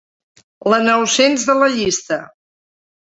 La nou-cents de la llista.